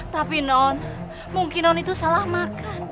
tapi non mungkin non itu salah makan